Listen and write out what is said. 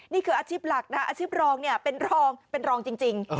นี่คืออาชีพหลักนะอาชีพรองเนี่ยเป็นรองเป็นรองจริง